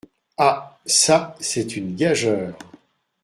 Ah ! çà ! c’est une gageure !